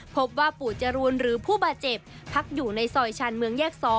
พบว่าปู่จรูนหรือผู้บาดเจ็บพักอยู่ในซอยชาญเมืองแยก๒